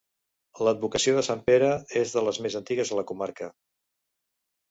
L'advocació de Sant Pere és de les més antigues a la comarca.